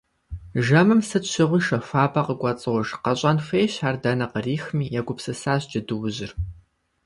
Жэмым сыт щыгъуи шэ хуабэ къыкӏуэцӏож… Къэщӏэн хуейщ ар дэнэ кърихми - егупсысащ джэдуужьыр.